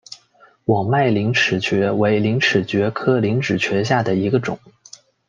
网脉陵齿蕨为陵齿蕨科陵齿蕨属下的一个种。